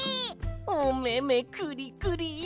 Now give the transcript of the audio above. おめめくりくり！